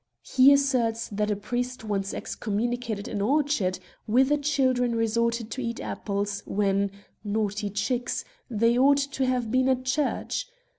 He asserts that a priest once excommunicated an orchard, whither children resorted to eat apples, when — naughty chicks! — they ought to have been at church.